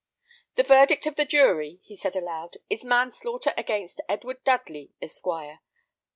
"The verdict of the jury," he said, aloud, "is Manslaughter against Edward Dudley, Esquire.